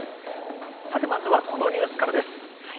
さて、まずはこのニュースからです。